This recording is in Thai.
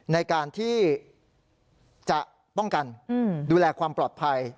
ในการที่จะป้องกันดูแลความปลอดภัย